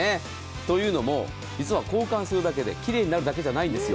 というのも、実は交換するだけできれいになるだけじゃないんです。